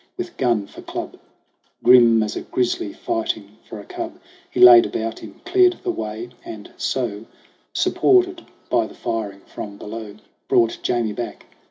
With gun for club, Grim as a grizzly fighting for a cub, He laid about him, cleared the way, and so, Supported by the firing from below, Brought Jamie back.